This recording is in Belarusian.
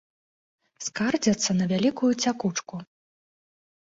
Скардзяцца на вялікую цякучку.